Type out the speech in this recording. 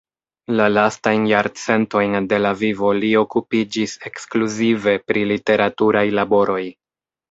La lastajn jarcentojn de la vivo li okupiĝis ekskluzive pri literaturaj laboroj.